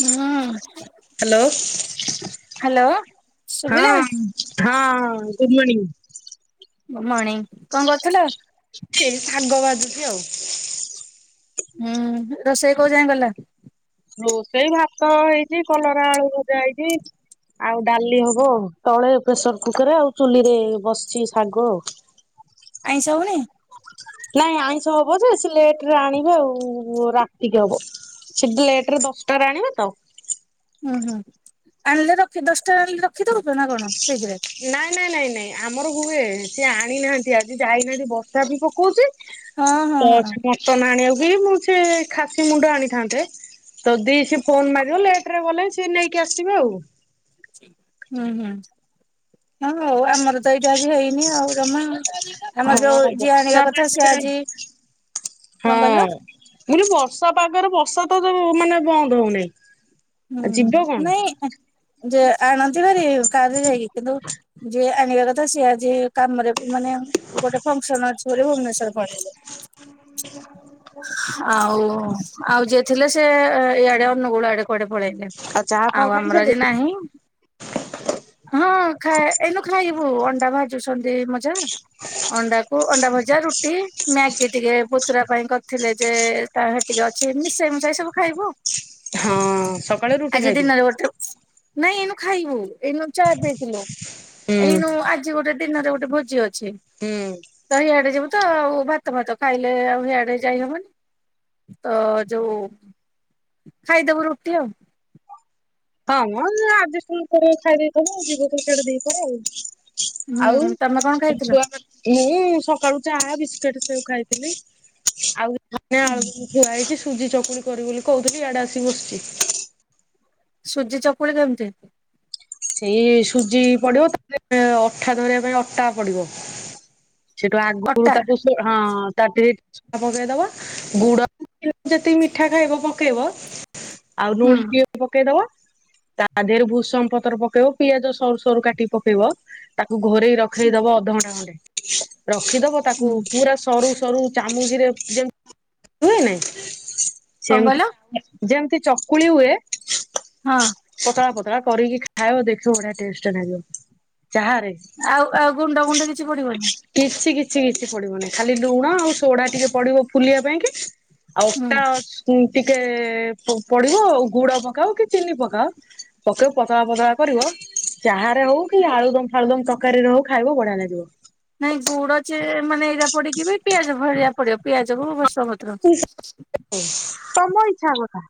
ହୁଁ ହାଲୋ। ହଁ। ହ୍ୟାଲୋ ହଁ ଶୁଭିଲା ହଁ ଗୁଡ଼୍ ମର୍ଣିିଂ। ମଣିଙ୍ଗ କଣ କରଥୁଲ? ଏଇ ସାଗ ଵାଜୁଛି ଆଉ। ହୁଁ ରୋଷେଇ କୋଉ ଯାଏଁ ଗଲା? ରୋଷେଇ ଭାତ ହେଇଚି, କଲରା, ଆଳୁ ଭଜା ହେଇଚି। ଆଉ ଡାଲି ହବ ତଳେ ପ୍ରେସର କୁକରେ ଆଉ ଚୁଲିରେ ବସଚି ଶାଗ ଆଉ। ଆଇଁଷ ହୋଉନି? ନାଇଁ ଆଇଁଷ ହବ ଯେ ସେ ଲେଟରେ ଆଣିବେ ଆଉ ରାତିକି ହବ। ସିଡ଼ି ଲେଟ ରେ ଦଶଟାରେ ଆଣିବେ ତ। ହୁଁ ହୁଁ ଆଣଲେ ରଖି ଦଶଟା ଆଣିଲେ ରଖି ଦୋଉଚ ନା କଣ ଫ୍ରିଜ ରେ? ନାଇଁ ନାଇଁ ନାଇଁ ନାଇଁ ଆମର ହୁଏ ସିଏ ଆଣିନାହାନ୍ତି ଆଜି ଯାଇନାହାନ୍ତି ବର୍ଷା ବି ପକୋଉଚି। ହଁ ହଁ ତ ହଁ ସେ ମଟନ ଆଣିବାକୁ ବି ମୁଁ ସେ ଖାସି ମୁଣ୍ଡ ଆଣିଥାନ୍ତେ। ତ ଦି ସି ଫୋନ ମାରିବ ଲେଟ ରେ ଗଲେ ସିଏ ନେଇକି ଆସିବେ ଆଉ। ଉଁ ହୁଁ ହଁ ହଉ ଆମର ତ ଏଇଟାଜି ହେଇନି ଆଉ ଜମା। ଆମର ଯୋଉ ହଁ ଯିଏ ବର୍ଷା ଆଣିବା କଥା ସିଏ ପାଗରେ ଆଜି। କଣ କଇଲ? ମୁୁ କଇଲି ବର୍ଷା ପାଗରେ ବର୍ଷା ତ ମାନେ ବନ୍ଦ ହୋଉନେଇଁ। ହୁଁ ନାଇଁ ଯେ ଆଣନ୍ତି ଭାରି କାର ରେ ଯାଇକି। କିନ୍ତୁ ଯିଏ ଆଣିବା କଥା ସିଏ ଆଜି କାମରେ ମାନେ ଗୋଟେ ଫଙ୍କସନ ଅଛି ବୋଲି ଭୁବନେଶ୍ୱର ପଳେଇଚନ୍ତି। [inaudible] ଆଉ ଆଉ ଯିଏ ଥିଲେ ସେ ଏଇଆଡେ ଅନୁଗୁଳୁ ଆଡେ କୁଆଡେ ପଳେଇଲେ। ଚାହା ଫାହା ଆଉ ଆମର ଖାଇସାରିଲଣି ଆଜିନାହିଁ। ହଁ ଖାଏ ଏଇନୁ ଖାଇବୁ ଅଣ୍ଡା ଭାଜୁଛନ୍ତି ମୋ ଜାଆ। ଅଣ୍ଡାକୁ ଅଣ୍ଡା ଭଜା ରୁଟି ମ୍ୟାଗି ଟିକେ ପତୁରା ପାଇଁ କରଥିଲେ ଯେ ତା ଟିକେ ଅଛି ମିଶେଇ ମୁଶାଇ ସବୁ ଖାଇବୁ। ହଁ ସକାଳୁ ରୁଟି ଖାଇଦିଏ। [unintelligible] ନାଇଁ ଏଇନୁ ଖାଇବୁ ଏଇନୁ ଚା ପିଇଥିଲୁ ହୁଁ ଏଇନୁ ଆଜି ଗୋଟେ ଦିନରେ ଗୋଟେ ଭୋଜି ଅ ଛି ହୁଁ। ଏଇଆଡେ ଯିବୁ। ତ ଆଉ ଭାତ ଭାତ ଖାଇଲେ ଆଉ ଆଡେ ଯାଇ ହବନି ତ ଯୋଉ ଖାଇଦବୁ ରୁଟି ଆଉ। ହଁ ମ ଆଜେଷ୍ଟମେଣ୍ଟ କରି ଖାଇ ଦେଇଥିବ ଯିବତ ସିଆଡେ ଦିପହରେ ଆଉ। ହୁଁ ଆଉ ତମେ କଣ ତମ ଖାଇଥିଲ? ଛୁଆମାନେ ଏହି ସକାଳୁ ଚାହା ବିସ୍କୁିଟ ସବୁ ଖାଇଥିଲି ଆଉ ଧନିଆ ଆଳୁ ଥୁଆ ହେଇଛି ସୁଜି ଚକୁଳି କରିବ ବୋଲି କହୁଥିଲି ଇଆଡେ ଆସିିକି ବସିଛି। ସୁଜି ଚକୁଳି କେମତି ସେଇ ସୁଜି ପଡିବ ତାପରେ ଅଠା ଧରିବା ପାଇଁ ଅଟା ପଡିବ। ସେଠୁ ଆଗରୁ ଅଟା ତାକୁ ହଁ ତା ଦେ ଛେନାପକେଇଦବ ଗୁଡ ଯେତିକି ମିଠା ଖାଇବ ପକେଇବ। ଆଉ ହୁଁ ଲୁଣି ଟିକେ ପକେଇଦବ ତା ଦେହରେ ଭୂଷଙ୍ଗ ପ ପତ୍ର ପକେଇବ ପିଆଜ ସରୁ ସରୁ କାଟି କି ପକେଇବ। ତାକୁ ଘୋରେଇ ରଖେଇଦବ ଅଧଘଣ୍ଟା ଖଣ୍ଡେ ରଖିଦବ ତାକୁ ହୁଁ ପୁରା ସରୁ ସରୁ ଚାମୁଚିରେ ଯେମି ହୁଏ ନାଇ କଣ କହିଲ ସେମତି ଯେମିତି ଚକୁଳି ହୁଏ। ହଁ। ପତଳା ପତଳା କରିକି ଖାାଉଵ ଦେଖିବ ବଢିଆ ଟେଷ୍ଟ ଲାଗିବ ଚାହାରେ। ଆଉ ଆଉ ଗୁଣ୍ଡ ଗୁଣ୍ଡି କିଛି ପଡିବନି। କିଛି କିଛି କିଛି ପଡିବନି ଖାଲି ଲୁଣ ଆଉ ସୋଡା ଟିକେ ପଡିବ ଫୁଲିବା ପାଇଁ କି? ଆଉ ହୁଁ ଅଟା ଅଛ ଟିକେ ପଡିବ ଆ ଗୁଡ ପକାଅ କି ଚିନି ପକାଅ ପକେଇବ ପତଳା ପତଳା କରିବ ଚାହାରେ ହଉ କି ଗୁ ଆଳୁଦମ ଫାଳୁଦମ ତରକାରୀରେ ହଉ ଖାଇବ ବଢିଆ ଲାଗିବ। ନାଇଁ ଗୁଡଚେ ମାନେ ଏଇଟା ପଡିକି ବି ପିଆଜ ଭଳିଆ ପଡିବ ପିଆଜକୁ ଭୁସଙ୍ଗ ପତ୍ର। ତମ ଇଚ୍ଛା କଥା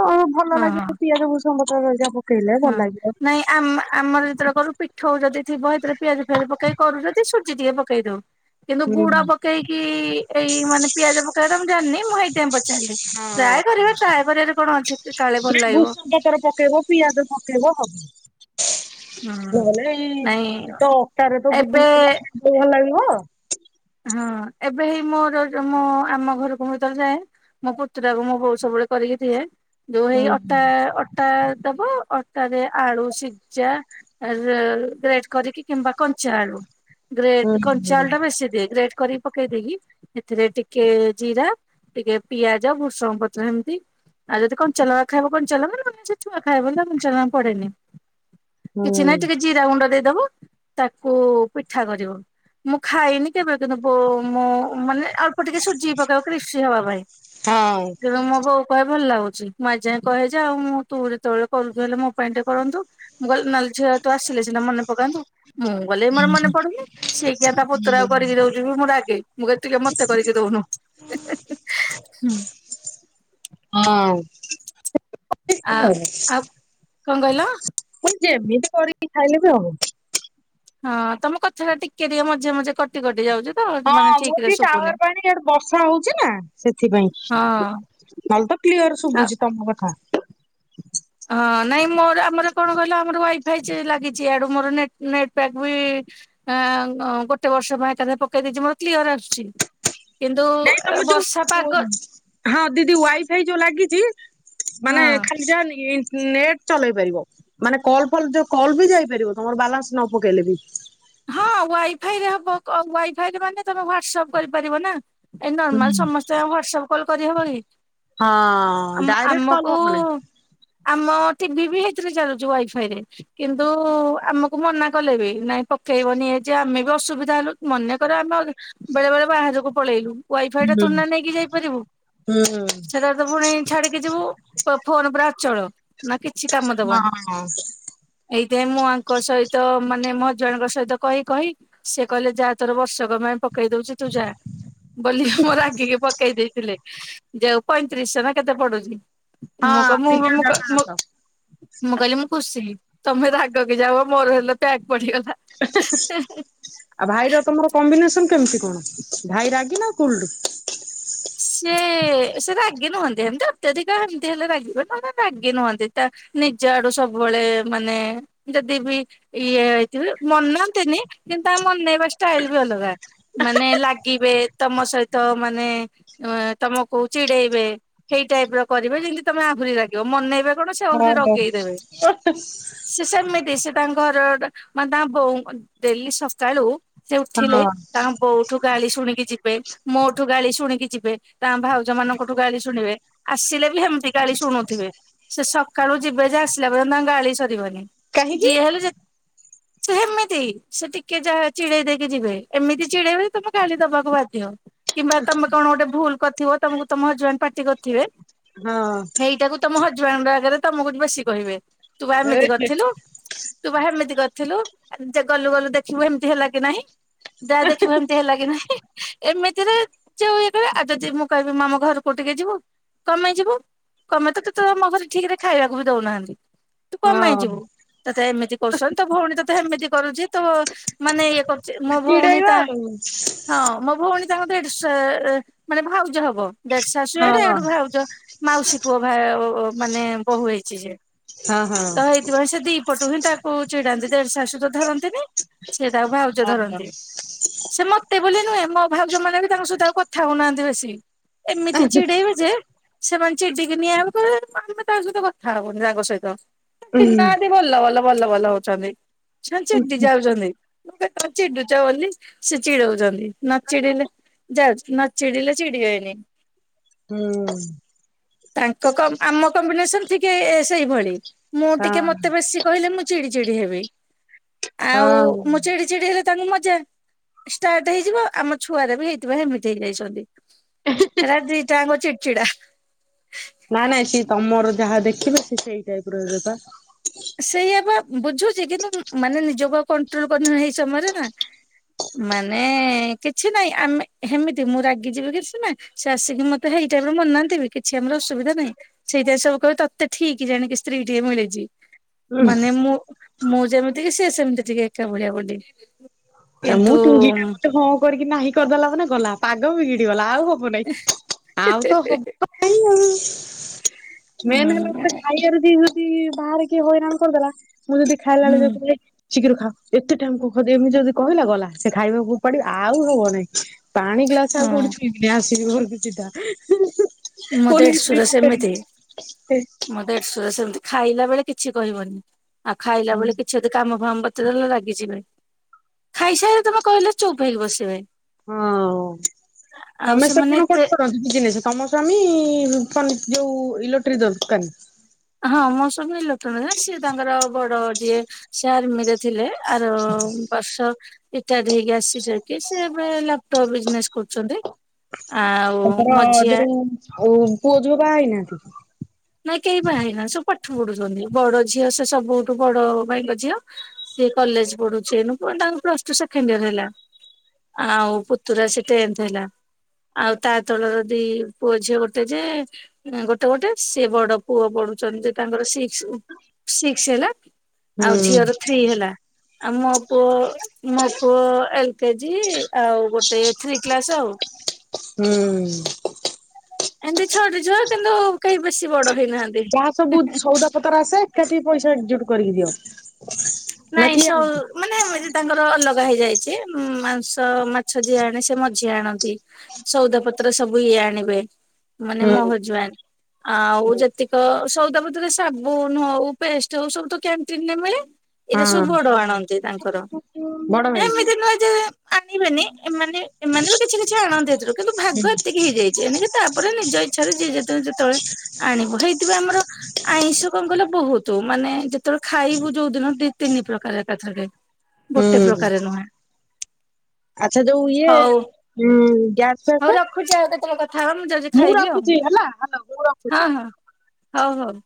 କଣ ଭଲ ଲାଗେ ହଁ ପିଆଜ ଭୂଷଙ୍ଗ ଭୂସଙ୍ଗପତ୍ର ଘରିକା ପକେଇଲେ ହଁ ଭଲ ଲାଗିବ। ନାଇଁ ଆମ ଆମର ଯେତେବେଳେ କରୁ ପିଠଉ ଯଦି ଥିବ ସେଥିରେ ପିଆଜ ଫିଆଜ ପକେଇ କରୁଜଦି ସୁଜି ଟିକେ ପକେଇ ଦଉ କିନ୍ତୁ ହୁଁ ଗୁଡ ପ ସେଇକି ଏଇ ମାନେ ପିଆଜ ପକେଇବା କଥା ମୁଁ ଜାଣିନି ମୁଁ ସେଇଥିପାଇ ପଚା ଚାଲେ ଟ୍ରାଏ ହଁ କରିବାରେ ଟ୍ରାଏ କରିବାରେ କଣ ଅଛି କାଳେ ଭଲ ଲାଗିବ। ଗାଜର ପକେଇବ ପିଆଜ ପକେଇବ ହୁଁ। ହବ ନହେଲେ ନାଇଁ ତ ଅଟାରେ ତ ଏବେ ଗୁଡପକୋଇଲେ ଭଲ ଲାଗିବ। ହଁ ଏବେ ହି ମୋର ମୁଁ ଆମ ଘରକୁ ଯେତେବେଳେ ଯାଏ ମୋ ପୁତୁରାକୁ ମୋ ବୋଉ ସବୁବେଳେ କରିକି ଦିଏ ଯୋଉ ହେଇ ହୁଁ ଅଟା ଅ ଅଟା ଦବ ଅଟାରେ ଆଳୁ ସିଜା ରେ ରେଟ କରିକି କିମ୍ବା କଞ୍ଚା ଆଳୁ ହୁଁ ଗ୍ରେଟ କଞ୍ଚା ହୁଁ। ଆଳୁ ଟା ବେଶୀ ରେଡ କରି ପକେଇ ଦେଇ କି ଏଥିରେ ଟିକେ ଜିରା ଟିକେ ପିଆଜ ଭୃଷଙ୍ଗ ପତ୍ର ଏମିତି। ଆଉ ଯଦି କଞ୍ଚାଲଙ୍କା ଖାଇବ କଞ୍ଚାଲଙ୍କା ନହେଲେ ସେଛୁଆ ଖାଇବ ବୋଲି କଞ୍ଚାଲଙ୍କା ପଡେନି। କିଛି ନାହିଁ ହଁ ଟିକେ ଜିରା ଗୁଣ୍ଡ ଦେଇଦବ ତାକୁ ପିଠା କରିବ ମୁଁ ଖାଇନି ସେଦିନ ବୋ ମୋ ମାନେ ଆଉ ଟିକେ ସୁଜି ପକେଇବ କ୍ରିସିବି ହବା ପାଇଁ ତେଣୁ ମୋ ବୋଉ କହେ ଭଲ ଲାଗୁଛି ମୁଁ ଆଜି ଯାଏ କହେ ଯେ ଆଉ ମୁଁ ତୁ ଯେତେବେଳେ କରୁଛୁ ହେଲେ ମୋ ପାଇଁ ଟିକେ କରନ୍ତୁ। ମୁଁ ଗଲେ ନହେଲେ ଝିଅ ତୁ ଆସିଲେ ସିନା ମନେ ପକାନ୍ତୁ ମୁଁ ଗଲେ ମୋର ମନେପଡୁନିସିଏ କିଆ ତା ପୁତୁରାକୁ କରିକି ଦଉଛୁ ମୁଁ ରାଗେ ମୁଁ କହେ ମତେ କରିକି ଦଉନୁ। ହଁ ଆ ଆଉ କଣ କହିଲ। ମୁହି ଯେମିତି କରିକି ଖାଇଲେ ବି ହବ। ହଁ ତମ କଥା ଟା ଟିକେ ଟିକେ ମଝେ ମଝେ କଟି କଟି ଯାଉଛି ତ ହଁ ମାନେ ଠିକ ରେ ମୋରଟିକେ ଶୁଭୁନି ଟାୱାର ପାଉନି ବର୍ଷା ହଉଛି ନା ସେଥିପାଇଁ, ହଁ ଆଉ ନହେଲେ ତ କ୍ଲିୟର ଶୁଭୁଛି ତମ କଥା। [inaudible] ହଁ ନାଇଁ ମୋର ଆମର କଣ କହିଲ ଆମର ୱାଇଫାଇ ଚି ଲାଗିଛି ଆଡୁ ମୋର ନେଟ ନେଟପ୍ୟାକ୍ ବି ଆ ଗୋଟେ ବର୍ଷ ପାଇଁ ଏକାଥର ପକେଇ ଦେଇଛି ମୋର କ୍ଲିୟର ଆସୁଛି। କିନ୍ତୁ ନାଇଁ ତମ ଏ ଯୋଉ ବର୍ଷା ପାଗ ହଁ ଦିଦି ୱାଇଫାଇ ଯୋଉ ଲାଗିଛି ମାନେ ଖାଲି ଯା ନେଟ୍ ଚଲେଇ ପାରିବ ମାନେ କଲ ଫଲ ଜ କଲ୍ ବି ଯାଇପାରିବ ତମର ବାଲାନ୍ସ ନ ପକେଇଲେ ବି ହଁ ୱାଇଫାଇ ରେ ହବ କ ୱାଇଫାଇରେ ମାନେ ତମେ ହ୍ୱାଟସଆପ୍ କରିପାରିବ ନାଁ ଏଇ ହଁ ନର୍ମାଲ ସମସ୍ତେ ଆଉ ୱାଡ଼ଆପ୍ କଲ କରିହବ କି ହଁ ଆମ ଡାଇରେକ୍ଟ କଲ ହବନି ଆମକୁ ଆମ ଟିଭି ବି ହେଇ ଥିରେ ଚାଲୁଛି ୱାଇଫାଇ ରେ କିନ୍ତୁ ଆମକୁ ମନା କଲେ ବି ନାଇଁ ପକେଇବନି ଏ ଯେ ଆମେ ବି ଅସୁବିଧା ହେଲୁ ମନେକର ଆମେ ବେଳେ ବେଳେ ବାହାରକୁ ପଳେଇଲୁ ୱାଇଫାଇ ଟା ହୁଁ ତୁନା ନେଇକି ଯାଇପାରିବୁ ହୁଁ ସେଟାରେ ତ ପୁଣି ଛାଡି କି ଯୋଉ ଫୋନ ପୁରାଅଚଳ ନା କିଛି କାମ ଦବନି ହଁ ଏଇଥି ପାଇଁ ମୁଁ ଆଙ୍କ ସହିତ ମାନେ ମୋର ଜଣଙ୍କ ସହିତ କହି କହି ସେ କହିଲେ ଯା ତୋର ବର୍ଷକ ପାଇଁ ପକେଇ ଦଉଛି ତୁ ଯା ବୋଲି ମୋର ରାଗିକି ପକେ ଏଇ ଦେଇଥିଲେ ଯଉ ପଇଁତିରିଶ ନା କେତେ ପଡୁଛି ହଁ ମୁଖ ମୁ ତିନି ହଜାର ମୁଖ ମୁକୁ ପାଁଶହ। ମୁଁ କହିଲି ମୁଁ ଖୁସି ଥିଲି ତମେ ରାଗ କି ଯାଅ ମୋର ହେଲେ ପ୍ୟାଗ ପଡିିଗଲା [unintelligible] ହେଁ ହେଁ ଆଉ ଭାଇର ତମର କମ୍ବିନେସନ କେମିତି କଣ ଭାଇ ରାଗି ନା କୁଲଡ ସେ ସେ ରାଗି ନୁହନ୍ତି ଏମିତି ଅତ୍ୟଧିକ ଏମିତି ହେଲେ ରାଗିବେ ନହେଲେ ରାଗି ନୁହନ୍ତି ତା ନିଜ ଆଡୁ ସବୁବେଳେ ମାନେ ଯଦି ବି ଇଏ ହେଇଥିବେ ମନାନ୍ତିନି କିନ୍ତୁ ତା ମନେଇବା ଷ୍ଟାଇଲ ବି ଅଲଗା ମାନେ ଲାଗିବେ ତମ ସହିତ ମାନେ ତମକୁ ଚିଡେଇବେ ହେଇ ଟାଇପ ର କରିବେ ଯେମିତି ତମେ ଆହୁରି ରାଗିବ ମନେଇବା ଭଲ ସେ ଆହୁରି ହଁ ରଗେଇଦେବେ ସେ ସେମିତି ସେ ତାଙ୍କର ମାନେ ତାଙ୍କ ବୋଉଙ୍କୁ ଡେଲି ସକାଳୁ ସେ ଉଠିଲେ ହଁ ତାଙ୍କ ବୋଉଠୁ ଗାଳି ଶୁଣିକି ଯିବେ ମୋଠୁ ଗାଳି ଶୁଣିକି ଯି ତାଙ୍କ ଭାଉଜ ମାନଙ୍କଠୁ ଗାଳି ଶୁଣିବେ ଆସିଲେ ବି ହେମିତି ଗାଳି ଶୁଣୁଥିବେ ସେ ସକାଳୁ ଯିବେ ଯେ ଆସିଲା ବେଳ ତାଙ୍କ ଗାଳି ସରିବନି କାହିଁକି? ଯିଏ ହେଲେ ଯେ [inaudible] ସେ ସେମିତି ସେ ଟିକେ ଯାହା ଚିଡେଇ ଦେଇକି ଯିବେ ଏମିତି ଚିଡେଇ ବେ ଯେ ତମେ ଗାଳି ଦବାକୁ ବାଧ୍ୟ କିମ୍ବା ତମେ କଣ ଗୋଟେ ଭୁଲ କରିଥିବ ତମକୁ ତମ ହଜବେଣ୍ଟେ ପାଟି କରୁଥିବେ ହଁ ସେଇଟାକୁ ତମ ହଜବେଣ୍ଟେ ଆଗରେ ତମୁକୁ ବେଶୀ କହିବେ ତୁ ପା ଏ ଏମିତି କରିଥିଲୁ। ତୁ ପା ହେମିତି କରିଥିଲୁ ଯେ ଗଲୁ ଗଲୁ ଦେଖିବୁ ଏମତି ହେଲା କି ନାହିଁ ଯାହା ଦେଖିବୁ ହେମତି। ହେଲା କି ନାଇଁ ଏମିତିରେ ଚୁଇ ଆଉ ଯଦି ମୁଁ କହିବି ଆମ ଘରକୁ ଟିକେ ଯିବୁ କମାଇଁ ଯିବୁ। କମାଇ ତ ତେ ତମଘରେ ଠିକ୍ ରେ ଖାଇବାକୁ ବି ଦଉନାହାନ୍ତି। ତୁ କ ପାଇଁ ହଁ ଯିବୁ ତତେ ଏମିତି କରୁଚନ୍ତି ତୋ ଭୋଉଣୀ ତତେ ହେମିତି କରୁଚି ତୋ ମାନେ ଇଏ କର ମୋ ଭୋଉଣୀ ଚିଡେଇବା ତା ଆଉ ହଁ ମୋ ଭୋଉଣୀ ତାଙ୍କ ଦେ ସେ ମାନେ ଭାଉଜ ହବ। ଦେଢ ହଁ ଶାଶୁଆଡୁ ଆଡୁ ଭାଉଜ ମାଉସୀ ପୁଅ ଭା ମାନେ ବୋହୁ ହେଇଛି ସେ। ହଁ ହଁ। ତ ସେଇଥିପାଇଁ ସେ ଦି ପଟୁ ହିଁ ତାକୁ ଚିଡାନ୍ତି ଦେଢ ଶାଶୁ ତ ଧରନ୍ତିନେହିଁ। ସେ ତାକୁ ଭାଉଜ ଉଁ ଧରନ୍ତି ସେ ମତେ ବୋଲି ନୁହେଁ ମୋ ଭାଉଜ ମାନେ ବି ତାଙ୍କ ସହିତ ଆଉ କ କଥା ହଉନାହାନ୍ତି ବେଶୀ ଏମିତି ଚିଡେଇବେ ଯେ ସେମାନେ ଚିଡିକି ନିଆଁ କହିବେ ଆମେ ତାଙ୍କ ସହିତ କଥା ହବୁନି ତାଙ୍କ ସହିତ ଦିନ ରାତି ବଲ ବଲ ବଲ ବଲ ହଉଛନ୍ତି ସେ ଚିଡି ଯାଉଚନ୍ତି। ତମେ ଚିଡୁଚ ବୋଲି ସେ ଚିଡଉଚନ୍ତି ନ ଚିଡିଲେ ଯାଉଚି। ନ ଚିଡ଼ିିଲେ ଚିଡ଼ି ବେନେହିଁ। ହୁଁ। ତାଙ୍କ କ ଆମ କମ୍ବିନେସନ୍ ଠିକ୍ ସେଇଭଳି ମୁଁ ହଁ ଟିକେ ମତେ ବେଶି କହିଲେ ମୁଁ ଚିଡି ଚିଡି ହେବି ଆଉ ହଁ। ମୁଁ ଚିଡି ଚିଡି ହେଲେ ତାଙ୍କୁ ମଜା ଷ୍ଟାର୍ଟ ହେଇଯିବ ଆମ ଛୁଆରେ ବି ହେଇଥିବ ହେମିତି। ତି ନେଇଛନ୍ତି ଏରା ଦି ଟାଆଙ୍କ ଚିଡି ଚିଡା। ନା ନାଇଁ ସିଏ ତମର ଯାହା ଦେଖିବେ ସେ ସେଇ ଟାଇପ୍ ର ହେବେପା। ସେଇଆା ପା ବୁଝୁଚି କିନ୍ତୁ ମାନେ ନିଜକୁ ଆଉ କଣ୍ଟ୍ରୋଲ କରିହୋଉ ନେହିଁ ଏଇ ସମୟରେ ନା। ମାନେ କିଛି ନାଇଁ ଆମେ ହେମିତି ମୁଁ ରାଗି ଯିବି କି ସିନା। ସେ ଆଷିକି ମତେ ହେଇଟାଇ ମିରେ ମନାନ୍ତି ବି କିଛି ଆମର ଅସୁବିଧା ନାହିଁ। ସେଇଥିପାଇଁ ସବୁ କହିବେ ତତେ ଠିକ୍ ଜାଣିକି ସ୍ତ୍ରୀ ଟିଏ ମିଳିଚି। ଉଁ ମାନେ ମୁଁ ମୁଁ ଯେମିତି କି ସିଏ ସେମିତି ଟିକେ ଏକା ଭଳିଆ ବୋଲି। ଆଚ୍ଛା ମୁଁ କିନ୍ତୁ ଟୁଙ୍ଗିଟା ମତେ ହଁ। ହଁ କରିକି ନାହିଁ କରିଦେଲା ମାନେ ଗଲା ପାଗ ବି ଗିଡି ଗଲା ଆଉ ହବ ନେହିଁ ଆଉ ତ ହବ। ମେନ୍ ହେଲା ହୁଁ ମତେ ଖାଇବା। କେମିତି ହେଉଚି ବାହାରି କି ହଇରାଣ କରିଦେଲା ମୁଁ ଯଦି ଖାଇଲା ହୁଁ ବେଳେ ସେମିତି ହୁଏ। ଶୀଘ୍ର ଖାଅ ଏତେ ଟାଇମି କଣ ଖାଉଚୁ ଏମିତି ଯଦି କହିଲା ଗଲା ସେ ଖାଇବାକୁ ଫୋପାଡିବ ଆଉ ହବ ନାହିଁ। ପାଣି ଗ୍ଲାସେ ହଁ ଆଉ କୋଉଠି ଛୁଇଁମିନେହିଁ ଆସିମି ଘରକୁ ମୋ ସିଧା। ଓହ୍ଲେଇ ଦେଢଶୁର ପଡି କି ମତେ ସେମିତି ଦେ। ମୋ ଦେଢଶୁର ସେମିତି ଖାଇଲା ବେଳେ କିଛି କହିବନି। ଆଉ ଖାଇଲା ବେଳେ କିଛି ଯିଏ କାମ ଫାମ ବତେଇ ଦେଲେ ରାଗିଯିବେ ଖାଇସାଇଲେ ତମେ କହିଲେ ଚୁପ୍ ହେଇକି ବସିବେ। ହଁ ଆଉ ଆଉ ତମେ ସେ ସେମାନେ ପୁଣ ଏତେ କରୁଚନା ଜିନିସ ତମ ସ୍ୱାମୀ ଫୋନ୍ ଯୋଉ ଇଲୋକ୍ଟ୍ରି ଦୋରକାନି। ହଁ ମୋ ସମୀ ଇଲୋକ୍ଟ୍ରୋନିକ ସିଏ ତାଙ୍କର ବଡ ଯିଏ ସେ ଆର୍ମିରେ ଥିଲେ ଆର ବର୍ଷ। ରିଟାଡ଼ ହେଇକି ଆସିଚନ୍ତି ସେ ଏବେ ଲାପ୍ ଟପ୍ ବିଜିନେସେ କରୁଚନ୍ତି। ଆଉ ମଝିଆ। ଓଉ ପୁଅ ଝିଅ ବାହା ହେଇନାହାନ୍ତି? ନାଇଁ କେହି ବାହା ହେଇ ନାହାନ୍ତି ସବୁ ପାଠ ପଢୁଚନ୍ତି। ବଡ ଝିଅ ସେ ସବୁଠୁ ବଡ ଭାଇଙ୍କ ଝିଅ। ସିଏ କଲେଜ୍ ପଢୁଛି ଏଇନୁ ତାଙ୍କର ପ୍ଲସ୍ ଟୁ ସେକେଣ୍ଡେ ଇୟର ହେଲା। ଆଉ ପୁତୁରା ସେ ଟେନଥ ହେଲା। ଆଉ ତା ତଳର ଦି ପୁଅ ଝିଅ ଗୋଟେ ଯେ ଗୋଟେ ଗୋଟେ। ସେ ବଡ ପୁଅ ପଢୁଛନ୍ତି। ତାଙ୍କର ସିକ୍ସ ସିକ୍ସ ହେଲା ହୁଁ ଆଉ ଝିଅର ଥ୍ରୀ ହେଲା। ଆମ ପୁଅ ମୋ ପୁଅ ଏଲ କେଜି ଆଉ ଗୋଟେ ଥ୍ରୀ କ୍ଲାସ୍ ଆଉ। ହୁଁ। ଏମିତି ଛଟିଛ କିନ୍ତୁ କେହି ବେଶୀ ବଡ ହେଇନାହାନ୍ତି। ଯାହା ସବୁ ସଉଦା ପତ୍ରର ଆସେ ଏକାଠି ପଇସା ଏକଜୁଟ୍ କରିକି ଦିଅ। ନା ନାଇଁ କିଏ ସୋଲ୍। ଆଣିଛି? ମାନେ ଏମତି ତାଙ୍କର ଅଲଗା ହେଇଯାଇଚି। ମାଂସ ମାଛ ଯିଏ ଆଣେ ସେ ମଝିଆ ଆଣନ୍ତି। ସଉଦା ପତ୍ର ସବୁ ଇଏ ଆଣିବେ। ମାନେ ମୋ ହୁଁ ହଜ୍ ବେନ୍ଟ୍ ଆଉ ଯେତିକ ସଉଦପ ରେ ସାବୁନ୍ ହଉ ପେଷ୍ଟ ହଉ ସବୁ ତ କ୍ୟାଣ୍ଟିନରେ ମିଳେ। ଏଇରା ହଁ ସବୁ ବଡ଼ ଆଣନ୍ତି ତାଙ୍କର ବଡ ଭାଇ ଏମିତି ନୁହେଁ। ଯେ ଆଣିବେନି ଏମାନେ ଏମାନେ ବି କିଛି କିଛି ଆଣନ୍ତି କିନ୍ତୁ ଭାଗ ଏତିକି ହେଇଯାଇଛି ଏଣିକି ତାପରେ ନିଜ ଇଚ୍ଛାରେ ଯିଏ ଯେତେବେଳେ ଯେତେବେଳେ ଆଣିବ ହେଇଥିବ ଆମର। ଆଇଁଷ କଣ କଲେ ବହୁତୁ ମାନେ ଯେତେବେଳେ ଖାଇବୁ ଯୋଉ ଦିନ ଦି ତିନି ପ୍ରକାରେ ଏକାଥରେ ଗୋଟେ ହୁଁ ପ୍ରକାର ନୁହେଁ। ଆଚ୍ଛା ଯୋଉ ଇଏ ହଉ ଉଁ ଗ୍ୟାସ ହଉ ଫ୍ୟାସ ରଖୁଚି ଆଉ କେତେବେଳେ କଥା ହେବା। ମୁଁ ଯାଉଚି ଖାଇବି ଆଉ। ରଖୁଛି ହେଲା ହ୍ୟାଲୋ ମୁଁ ହଁ ରଖୁଛି। ହଁ ହଉ ହଉ।